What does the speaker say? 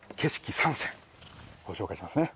３選ご紹介しますね